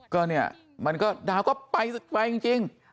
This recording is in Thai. ก็เนี่ยดาวก็ไปจริง